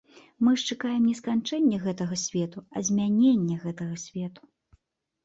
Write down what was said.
Мы ж чакаем не сканчэння гэтага свету, а змянення гэтага свету.